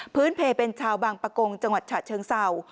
เพลเป็นชาวบางปะกงจังหวัดฉะเชิงเศร้า